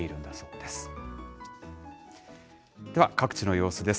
では、各地の様子です。